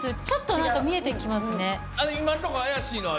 ちょっと何か見えてきますね。